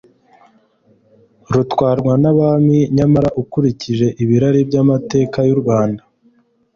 rutwarwa n'abami, nyamara ukurikije ibirari by'amateka y'u Rwanda,